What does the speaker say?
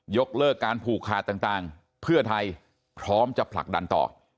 เลิกการผูกขาดต่างเพื่อไทยพร้อมจะผลักดันต่อ